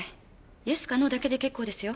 イエスかノーだけで結構ですよ。